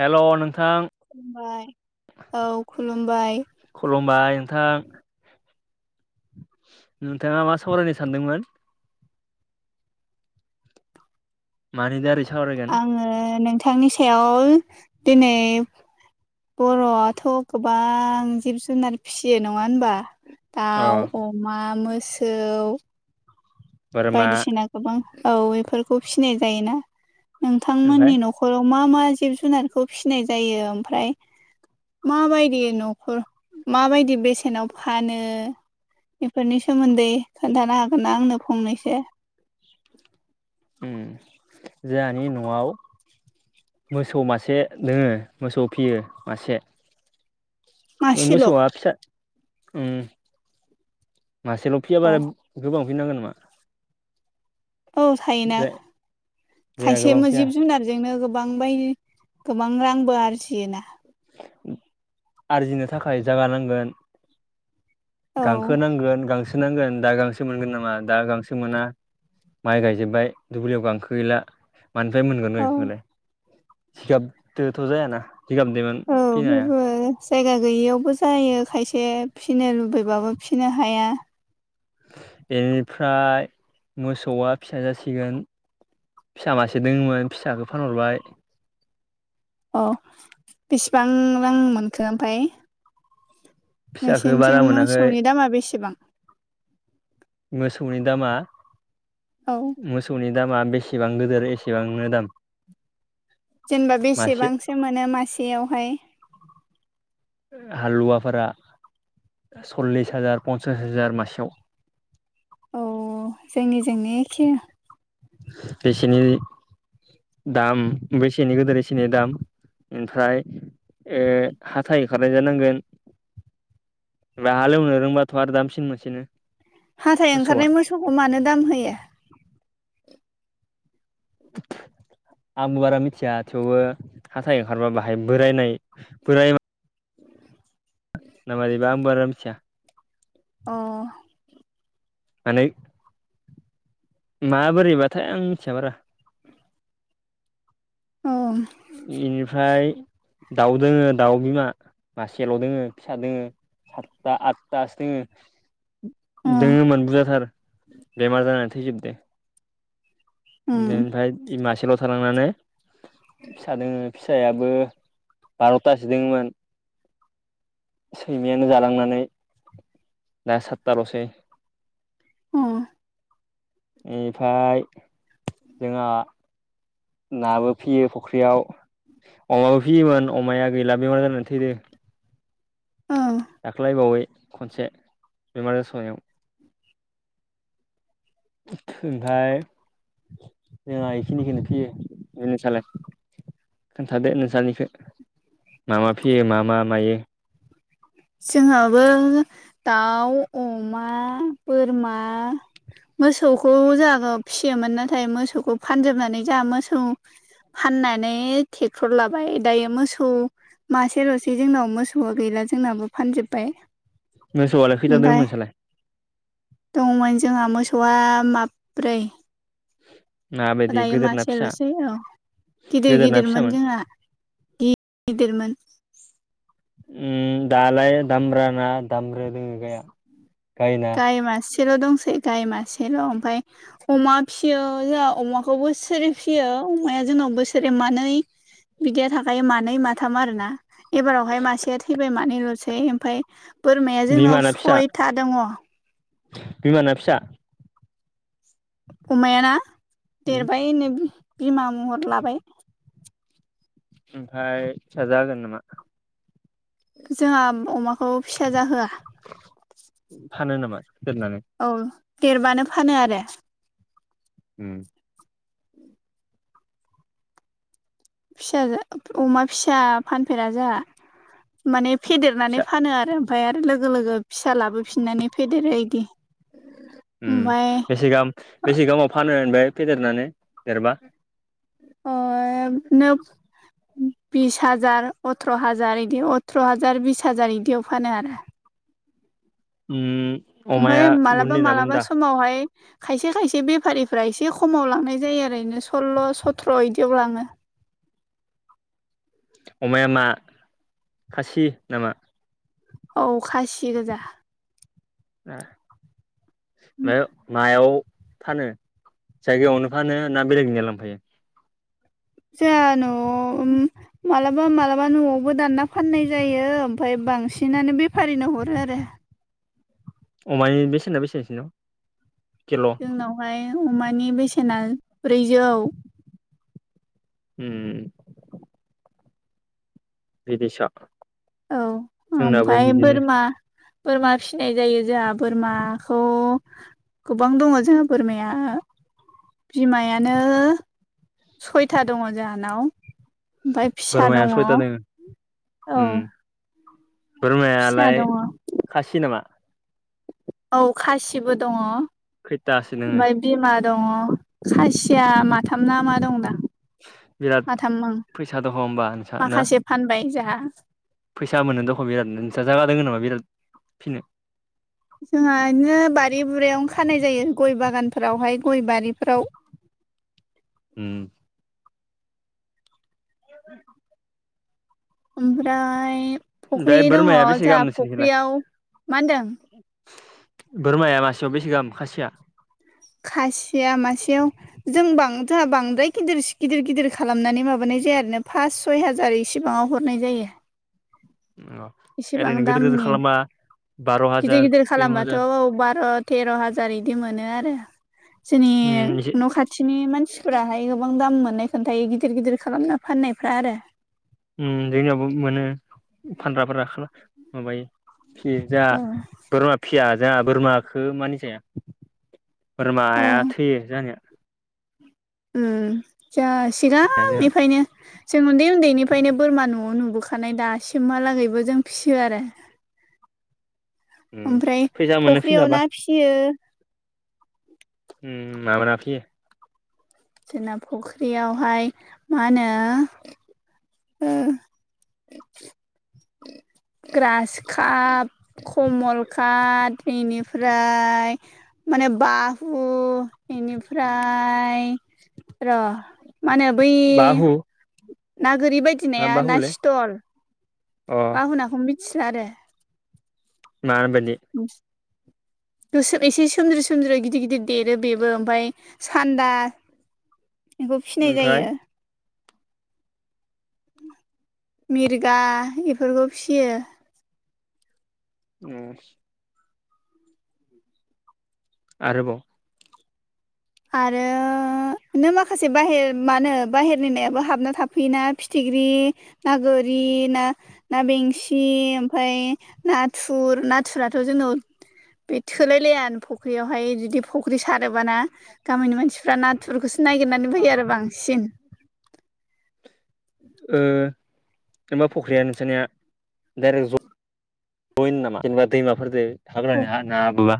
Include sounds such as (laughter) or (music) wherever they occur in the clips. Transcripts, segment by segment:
हेल' नोंथां खुलुमबाय औ खुलुमबाय। खुलुमबाय नोंथां नोंथाङा मा सावरायनो सानदोंमोन? मानि दारै सावरायगोन? आङो नोंथांनि सायाव दिनै बर'आथ' गोबां जिब जुनार फिसियो नङा होनबा दाउ, अ मा, मोसौ बोरमा बायदिसिना गोबां औ बेफोरखौ फिनाय जायोना। ओमफ्राय नोंथांमोननि न'खर नखराव मा मा जिब जुनारखौ फिसिनाय जायो ओमफ्राय? माबायदि न'खर माबायदि बेसेनाव फानो बेफोरनि सोमोन्दै खोन्थानो हागोन ना आंनो फंनैसो? जाहानि न'आव मोसौ मासे दोङो मोसौ फियो मासे। बे मासेल' मोसौआ फिसा उम मासेल' अ फियाबाल गोबां फिनांगोन नामा? औ थायोना। जाया खायसे गोबां फिया जिब जुनारजोंनो गोबां बायदि गोबां रांबो आरजियोना। आरजिनो थाखाय जागानांगोन। औ गांखो नांगोन गांसो नांगोन। दा गांसो मोनगोन नामा? दा गांसो मोना। माइ गायजोबबाय दुब्लियाव गांसो गैला। मानिफ्राय मोनगोन औ बेखौबालाय जिगाबदोथ' जायाना जिगाबदोंमोन औ बेबो जायगा गैयियावबो जायो खायसे फिसिनो लुबैबाबो फिसिनो हाया। बेनिफ्राय मोसौआ फिसा जासिगोन फिसा मासे दङोममोन फिसखौ फानहरबाय। औ बेसेबां रां मोनखो ओमफ्राय? फिसाखौ बारा नोंसोरनिथिं मोनाखै मोसौनि दामा बेसेबां? मोसौनि दामा? औ मोसौनि दामा बेसेबां गिदिर एसेबांनो दाम। जेनबा मासे बेसेबांसो मोनो मासेयावहाय हालुवाफोरा सल्लिस हाजार पन्सास हाजार मासेयाव औ जोंनिजोंनो एखे बेसेनि दाम बेसेनि गोदेर इसेनि दाम। ओमफ्राय ए हाथै खारनाय जानांगोन। बा हालेवनो रोंबाथ' आरो दामसिन मोनसिनो हाथाय मोसौआ ओंखारनाय मोसौखौ मानो दाम होयो (inaudible) आंबो बारा मिथिया थेवबो हाथाय ओंखारबा बाहाय बोरायनाय बोराय (unintelligible) ना मादिबा आं बारा मिथिया अ नानै मा बोरैबाथाय आं मिथिया बारा औ इनिफ्राय दाउ दोङो दाउ बिमा मासेल' दोङो फिसा दोङो सातथा आतथासो दोङो दोङोमोन बुरजाथार बेमार जानानै थैजोबदो अ बेनिफ्राय मासेल' थालांनानै फिसा दोङो फिसायाबो बार'तासो दोंमोन सैमायानो जालांनानै दा सातताल'सै अ इनिफाय जोंहा नाबो फियो फुख्रियाव अमाबो फियोमोन अमाया गैला बेमार जानानै थैदो ओं दाख्लैबावै खनसे बेमार जासावनायाव (unintelligible) ओमफाय जोंहा इखिनिखोनो फियो (unintelligible) नोंसालाय खोन्थादो नोंसानिखो मा मा फियो मा मा मायो जोंहाबो दाउ अमा बोरमा मोसौखौ जोंआगो फिसियोमोन नाथाय मोसौखौ फानजोबनानै जा मोसौ फाननानै थेक्टर लाबाय दायो मोसौ मासेल'सै जोंनाव मोसौआ गैला जोंनाबो फानजोबबाय मोसौवालाय खैता दोङो नोंसालाय दंमोन जोंहा मोसौआ माब्रै माबायदि दायो गोदोर ना फिसा मासेल'सै औ गिदिर गोदोरना गिदिरमोन फिसामोन जोंहा गि-गिदिरमोन उम दालाय दामब्राना दामब्रा दोङो गाया गायना गाय मासेल' दंसै गाय मासेल' ओमफाय अमा फिसियो जोंहा अमाखौ बोसोरै फिसियो अमाया जोंनाव बोसोरे मानै बिदिया थाखायो मानै माथाम आरोना एबारावहाय मासेया थैबाय मानैल'सै ओमफाय बोरमाया जोंनाव बिमाना फिसा सयथा दङ' बिमाना फिसा अमायाना उम देरबाय नो बिमा महर लाबाय ओमफाय फिसा जाहोगोन नामा जोंहा अमाखौ फिसा जाहोआ फानो नामा दोननानै औ देरबानो फानो आरो उम उम फिसा अमा फिसा फानफेरा जोंहा माने फेदेरनानै फिसा फानो आरो ओमफफ्राय आरो लोगो लोगो फिसा लाबोफिननानै फेदेरो एदि ओ बेसे गाह बेसे गाहाव फानो होनबाय फेदेरनानै देरबा अए नोब बिस हाजार अथ्र' हाजार इदि अथ्र' हाजार बिस हाजार इदियाव फानो आरो उम ओमफाय अमाया बुन्दि ना मालाबा-मालाबा बुन्दा समावहाय खायसे-खायसे बेफारिफ्रा एसे खमाव लांनाय जायो आरैनो सल्ल' सथ्र' इदियाव लाङो अमाया मा खासि नामा? औ खासि गोजा। ना ओ मायाव फानो जायगायावनो फानो ना बेलेगनिफ्राय लांफायो? जों न'आव उम मालाबा मालाबा न'आवबो दानना फाननाय जायो ओमफफ्राय बांसिनानो बेफारिनो हरो आरो अमानि बेसेना बेसेबां नोंसिनाव किल' जोंनावहाय अमानि बेसेना ब्रैजौ उम बिदेसा औ ओमफ्राय बोरमा बोरमा फिनाय जायो जोंहा बोरमाखौ गोबां दङ जोंहा बोरमाया बिमायानो सयथा दङ जाहानाव ओमफ्राय फिसा बोरमाया दङ सयथा दोङो औ उम फिसा बोरमायालाय दङ खासि नामा औ खासिबो दङ। खैथासो नोङो? ओमफ्राय बिमा दङ खासिया माथामना मा दं दा। बिराद माथाम ओं फैसा दङ होनबा नोंस्रा ना। माखासे फानबाय जोंहा। फैसा मोनो दख' बिराद नोंस जागा द नामा बिराद फिनो। जोंहा बिदिनो बारि बुरियावनो खानाय जायो गय बागानफोरावहाय गय बारिफ्राव उम (inaudible) ओमफ्राय फख्रि ओमफ्राय दङ बोरमाया बेसे जोंहा गाहाम नोंसोरनिखैलाय फख्रियाव मा होनदों। बोरमाया मासेयाव बेसे गाहाम खासिया? खासिया मासेयाव जों बां बांद्राय गिदिर गिदिर गिदिर खालामनानै माबानाय जायाोना फास सय हाजार इसेबाङाव हरनाय जायो‌। उम अ इसेबां ओरैनो गिदिर गिदिर दामनि खालामबा बार' गिदिर हाजार गिदिर तेर' खालामबाथ' हाजार औ भारत तेर' हाजार बिदि मोनो आरो जोंनि उम एसे न' खाथि खाथिनि मानसिफोराहाय गोबां दाम मोननाय खोन्थायो गिदिर गिदिर खालामना फाननायफ्रा आरो उम जोंनियावबो मोनो फानग्राफोरा माबायो फियो जाहा औ बोरमा फिया जाहा बोरमा बेखौ मानि जाया औ बोरमाया थैयो जाहानिया उम जाहा जोंहा सिगांनिफ्रायनो जों उन्दै उन्दैनिफ्रायनो बोरमा न'आव नुबोखा खानाय दासिमहालागैबो जों फियो आरो उम ओमफ्राय फैसा मोनो फख्रियाव फिनाबा ना फियो उम मा मा ना फियो? जोंना फुख्रियावहाय मा होनो ओ ग्रास काप कमल काप बेनिफ्राय माने बाहु बेनिफ्राय र' मा होनो बै बाहु ना गोरि बदि मा नाया ना बाहुलै स्टल अ बााहनाखौनो मिथिला आरो माबायदि उम गोसो एसे सोमर्जो सोमर्जो गिदिर गिदिर देरो बेबो ओमफ्राय सान्दा बेखौ फिनाय ओमफ्राय जायो। मिरगा बेफोरखौ फियो। एह। आरोबाव आरो नों माखासे बाहेर मा होनो बाहेरनिनायाबो हाबना थाफैयोना फिथिख्रि न गोरि ना ना बेंसि ओमफ्राय नाथुर नाथुराथ' जोंनाव बे थोलायलाया आ फुख्रियावहाय जुदि फुख्रि सारोबाना गामिनि मानसिफ्रा नाथुरफोरखौसो ननायागिरनानै फैयो आरो बांसिन। एबा फख्रिया नोंसोरनि दाइरेक ज यैनो नामा जेनेबा दैमाफोरजों हाबाय हा ना बा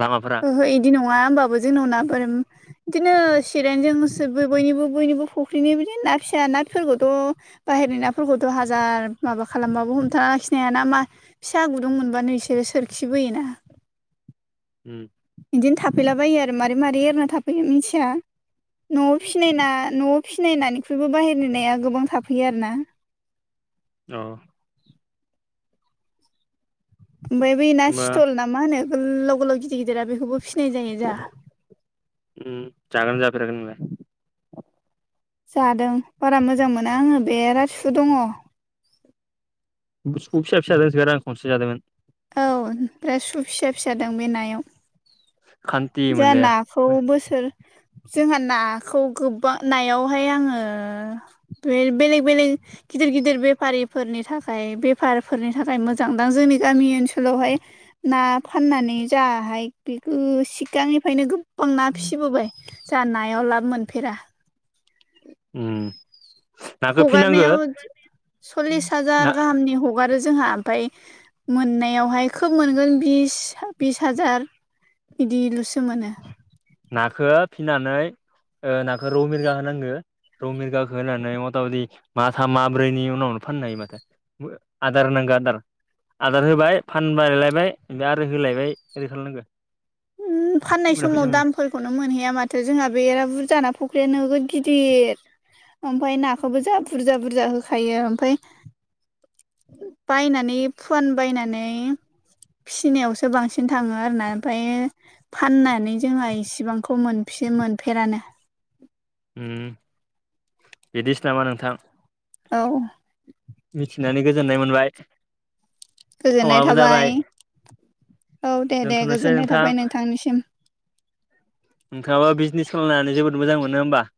लामाफोर इदि नङा होमबाबो जोंनाव नाफोर बिदिनो सिरेनजोंनो बयनिबो बयनिबो फख्रिनि बिदिनो ना फिसा नाफोरखौथ' बाहेरनि नाफोरखौथ' हाजार माबा खालामबाबो हमथाना लाखिनो हायाना मा फिसा गुदुं मोनबानो बिसोरो सोरखिबोयोना। उम। बिदिनो थाफैलाबायो आरो मारै मारै एरना थाफै मिथिया। न'आव फना न'आव फिनायनायनिख्रुइबो बाहेरनाया गोबां थाफैयो आरो ना। औ। ओमफ्राय बे ना होमबा सि्थल ना मा होनो गोलाव गोलाव गिदिर गिदिरा बेखौबो फिसिनाय जायो जाहा। उम जागोन जाफेराखै नोंलाय? जादों बारा मोजां मोना आङो बेराथ सु दङ। बिसनि फिसा फिसा जायो आं खनसे जादोंमोन। औ बिराद सु फिसा फिसा दं बे नायाव। खान्थि जों मोनजाया नाखौ बोसोर जोंहा नाखौ गोबा नायावहाय आङो बे बेलेग बेलेग गिदिर गिदिर बेफारिफोरनि थाखाय बेफारफोरनि थाखाय मोजां दां जोंनि गामि ओनसोलावहाय ना फाननानै जायाहाय बेखौ सि सिगांनिफ्रायनो गोबां ना फिसिबोबाय जाहा नायाव लाब मोनफेरा। उम नाखौ फिनांगो हगारनायाव सल्लिस ना हाजार गाहामनि हगार हगारो जोंहा ओमफ्राय मोननायावहाय खोब मोनगोन बिस बिस हाजार बिदिल'सो मोनो। नाखौ फिनानै नाखौ रौ मिरगा होनांगो रौ मिरगाखो होनानै मथा मथि माथाम माब्रैनि उनावनो फाननो हायो माथो। आदार होनांगो आदार। आदार होबाय फानबायलायबाय ओमफ्राय आरो होलायबाय ओरै खालामनांगौ। फाननाय होमबाना समाव फैसा मोनो दाम फखलखौनो मोनहैया माथो जोंहा बेरा बुरजाना फुख्रिया नोगोद गिदिर ओमफाय नाखौबो जा बुरजा बुरजा होखायो। ओमफाय बायनानै फुवान बायनानै फिसिनायावसो बांसिन थाङो आरोना। ओमफ्रायायो फाननानै जोंहा इसिबांखौ मोनफि मोनफेरानो ओम बिदिसो नामा नोंथां औ मिथिनानै गोजोननाय मोनबाय गोजोननाय समाबो जाबाय थाबाय औ दे दे दोनथ'नोसै गोजोननाय नोंथां थाबाय नोंथांनिसिम। नोंथाङाबा बिजनेस खालामायनानै जोबोद मोजां मोनो होमबा?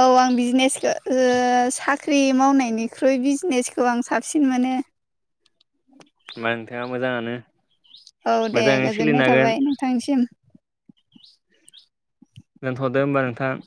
औ आं बिजनेसखौ साख्रि मावनायनिख्रुइ बिजनेसखौ आं साबसिन मोनो। होमबा नोंथाङा मोजाङानो। औ दे मोजाङैनो सोलिनो गोजोननाय हागोन थाबाय नोंथांनिसिम दोनथ'दो होमबा नोंथां